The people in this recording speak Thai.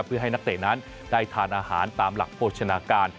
เพื่อให้นักเตะนั้นได้ทานอาหารตามหลักโภชนาการ